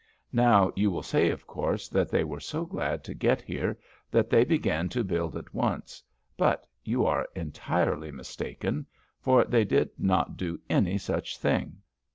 Now you will say of course that they were so glad to get here that they began to build at once; but you are entirely mistaken, for they did not do any such thing.